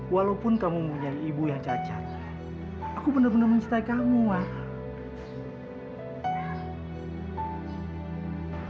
walaupun kamu mempunyai ibu yang cacat aku benar benar mencintai kamu